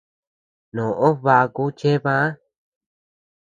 Noʼó nbaku chebä.